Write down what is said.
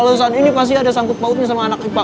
kalau saat ini pasti ada sangkut pautnya sama anak ipa